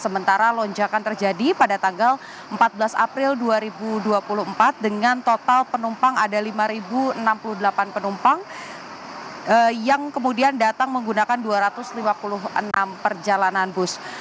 sementara lonjakan terjadi pada tanggal empat belas april dua ribu dua puluh empat dengan total penumpang ada lima enam puluh delapan penumpang yang kemudian datang menggunakan dua ratus lima puluh enam perjalanan bus